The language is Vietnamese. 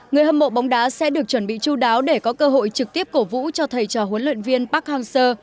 người hâm mộ bóng đá sẽ được chuẩn bị chú đáo để có cơ hội trực tiếp cổ vũ cho thầy trò huấn luyện viên park hang seo